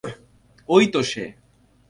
ওই তো সে!